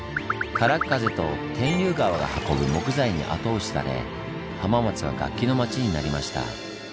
空っ風と天竜川が運ぶ木材に後押しされ浜松は楽器の町になりました。